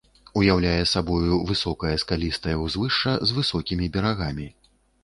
Уяўляе сабою высокае скалістае ўзвышша з высокімі берагамі.